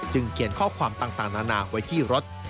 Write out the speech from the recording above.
เขียนข้อความต่างนานาไว้ที่รถ